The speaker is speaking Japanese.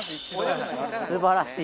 すばらしい。